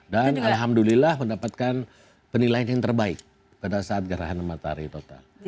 dan alhamdulillah mendapatkan penilaian yang terbaik pada saat gerhana matahari total